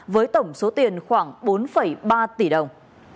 với tổng số tiền khoảng bốn ba tỷ đồng